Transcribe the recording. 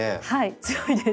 強いです。